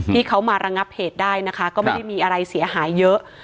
ที่เขามาระงับเหตุได้นะคะก็ไม่ได้มีอะไรเสียหายเยอะ